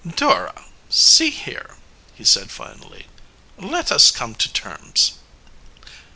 "Dora, see here," he said finally. "Let us come to terms."